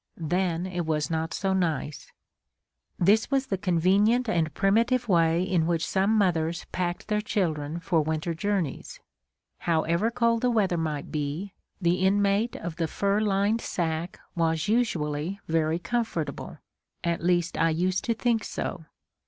Then it was not so nice! This was the convenient and primitive way in which some mothers packed their children for winter journeys. However cold the weather might be, the inmate of the fur lined sack was usually very comfortable at least I used to think so.